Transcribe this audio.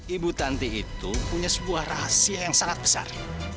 ibu tanti itu punya sebuah rahasia yang sangat besar